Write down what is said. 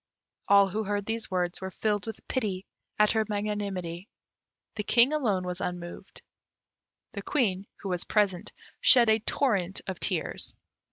All who heard these words were filled with pity at her magnanimity; the King alone was unmoved. The Queen, who was present, shed a torrent of tears.